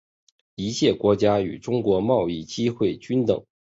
一切国家与中国的贸易机会均等。